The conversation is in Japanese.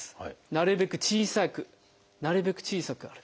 なるべく小さくなるべく小さく歩く。